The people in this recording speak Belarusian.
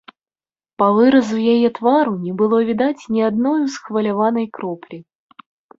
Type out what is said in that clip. Па выразу яе твару не было відаць ні адной усхваляванай кроплі.